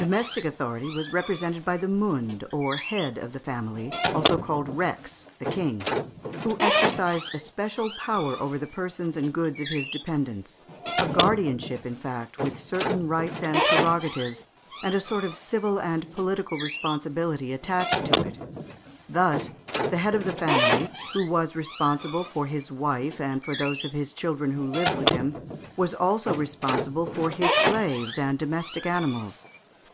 Domestic authority was represented by the mund, or head of the family, also called rex (the king), who exercised a special power over the persons and goods of his dependents, a guardianship, in fact, with certain rights and prerogatives, and a sort of civil and political responsibility attached to it. Thus the head of the family, who was responsible for his wife and for those of his children who lived with him, was also responsible for his slaves and domestic animals.